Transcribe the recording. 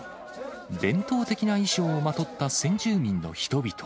伝統的な衣装をまとった先住民の人々。